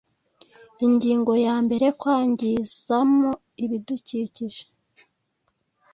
ingingo ya mbere kwangizam ibidukikije